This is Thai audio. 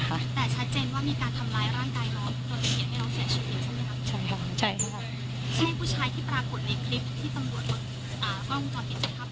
แต่ชัดเจนว่ามีการทำร้ายร่างกายน้องโดนเห็นให้น้องเสียชีวิตใช่ไหมครับ